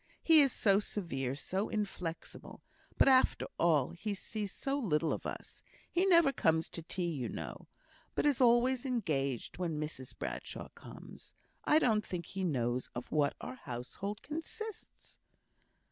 He is so severe, so inflexible. But after all he sees so little of us; he never comes to tea, you know, but is always engaged when Mrs Bradshaw comes. I don't think he knows of what our household consists."